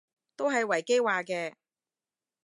都係維基話嘅